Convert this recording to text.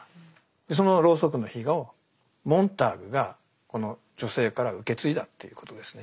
そのロウソクの火をモンターグがこの女性から受け継いだということですね。